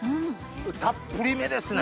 たっぷりめですね。